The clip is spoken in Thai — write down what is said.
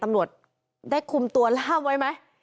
ตำรวจได้คุมตัวล่ามไว้ไหม